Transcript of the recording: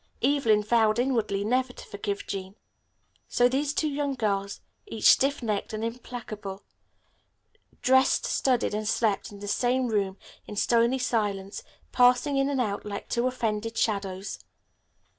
Evelyn vowed inwardly never to forgive Jean. So these two young girls, each stiff necked and implacable, dressed, studied and slept in the same room in stony silence, passing in and out like two offended shadows.